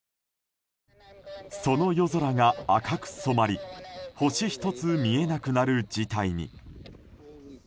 その夜空が赤く染まり星１つ見えなくなる事態に。